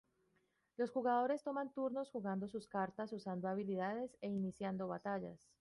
Los jugadores toman turnos jugando sus cartas, usando habilidades, e iniciando batallas.